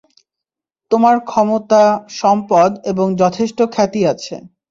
তোমার ক্ষমতা, সম্পদ এবং যথেষ্ট খ্যাতি আছে।